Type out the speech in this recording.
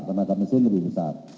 tenaga mesin lebih besar